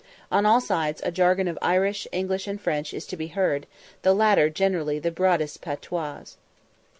On all sides a jargon of Irish, English, and French is to be heard, the latter generally the broadest patois.